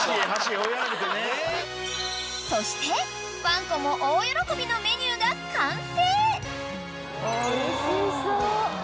［そしてワンコも大喜びのメニューが完成］